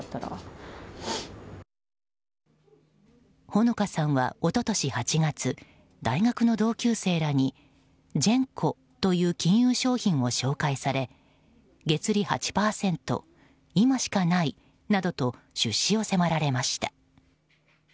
穂野香さんは一昨年８月大学の同級生らにジェンコという金融商品を紹介され月利８％、今しかないなどと出資を迫られました。